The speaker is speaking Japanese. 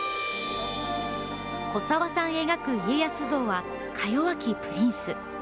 古沢さん描く家康像はかよわきプリンス。